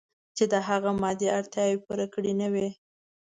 چې د هغه مادي اړتیاوې پوره کړې نه وي.